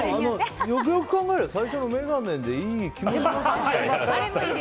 よくよく考えると最初の眼鏡でいいよな。